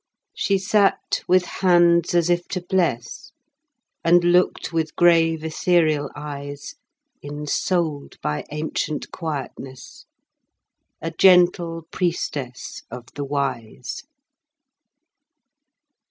She sat with hands as if to bless, And looked with grave, ethereal eyes; Ensouled by ancient quietness, A gentle priestess of the Wise.